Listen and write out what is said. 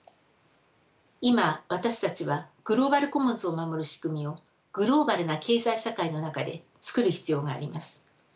今私たちはグローバル・コモンズを守る仕組みをグローバルな経済社会の中で作る必要があります。